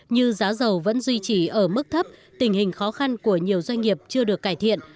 như giá dầu vẫn duy trì ở mức thấp tình hình khó khăn của nhiều doanh nghiệp chưa được cải thiện